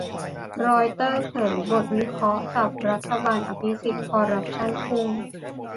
รอยเตอร์เผยบทวิเคราะห์สับรัฐบาลอภิสิทธิ์คอร์รัปชั่นพุ่ง